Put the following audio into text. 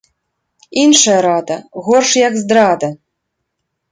Іншая рада ‒ горш як здрада